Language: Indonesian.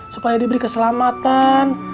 supaya diberi keselamatan